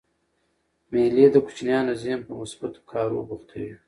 مېلې د کوچنيانو ذهن په مثبتو کارو بوختوي.